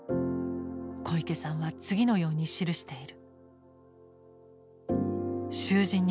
小池さんは次のように記している。